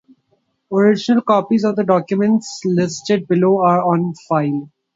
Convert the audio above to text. Original copies of the documents listed below are on file.